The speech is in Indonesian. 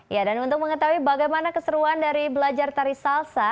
ya dan untuk mengetahui bagaimana keseruan dari belajar tari salsa